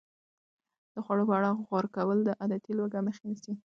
د خوړو په اړه غور کول د عادتي لوږې مخه نیسي.